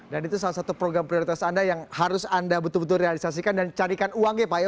dan itu salah satu program prioritas anda yang harus anda betul betul realisasikan dan carikan uangnya